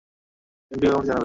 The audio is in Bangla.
কেন্দ্রীয় কমিটিকে জানাবো?